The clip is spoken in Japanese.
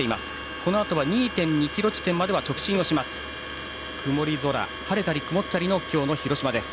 このあと２．２ｋｍ地点まで直進します。